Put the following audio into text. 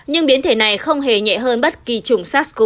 nhưng biến thể này không hề nhẹ hơn bất kỳ chủng sars cov hai nào khác